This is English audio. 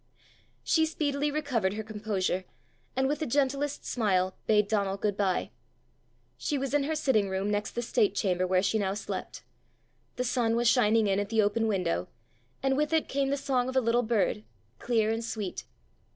She speedily recovered her composure, and with the gentlest smile bade Donal good bye. She was in her sitting room next the state chamber where she now slept; the sun was shining in at the open window, and with it came the song of a little bird, clear and sweet.